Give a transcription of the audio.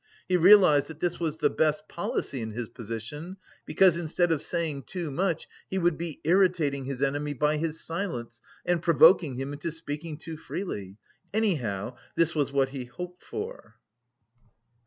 He realised that this was the best policy in his position, because instead of saying too much he would be irritating his enemy by his silence and provoking him into speaking too freely. Anyhow, this was what he hoped for.